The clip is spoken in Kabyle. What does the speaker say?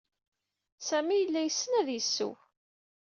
Sami yella yessen ad yesseww.